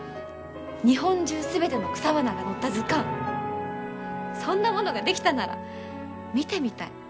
日本中全ての草花が載った図鑑そんなものが出来たなら見てみたい。